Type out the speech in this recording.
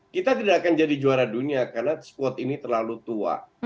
kita tidak akan jadi juara dunia karena squad ini terlalu tua